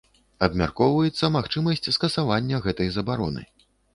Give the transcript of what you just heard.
Абмяркоўваецца магчымасць скасавання гэтай забароны.